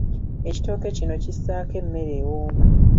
Ekitooke kino kissaako emmere ewooma.